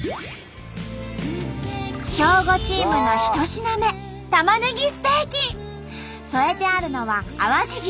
兵庫チームの１品目添えてあるのは淡路牛。